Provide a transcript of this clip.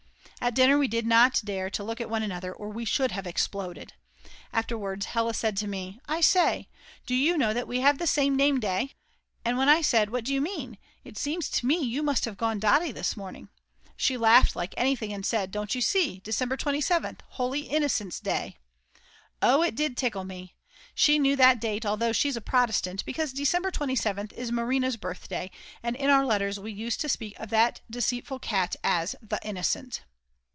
At dinner we did not dare look at one another or we should have exploded. Afterwards Hella said to me: "I say, do you know that we have the same name day?" And when I said: "What do you mean, it seems to me you must have gone dotty this morning," she laughed like anything and said: "Don't you see, December 27th, Holy Innocents' Day!" Oh it did tickle me. She knew that date although she's a Protestant because December 27th is Marina's birthday, and in our letters we used to speak of that deceitful cat as "The Innocent."